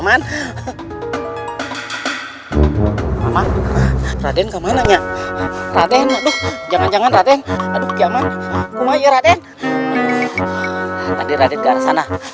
man mama raden ke mananya raden jangan jangan raden aduh kumai raden tadi raden ke sana